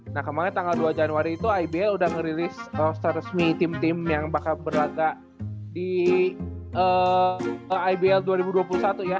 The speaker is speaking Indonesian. nah kemarin tanggal dua januari itu ibl udah merilis secara resmi tim tim yang bakal berlagak di ibl dua ribu dua puluh satu ya